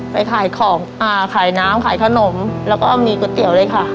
ไปขายของอ่าขายน้ำขายขนมแล้วก็มีก๋วยเตี๋ยวเลยค่ะ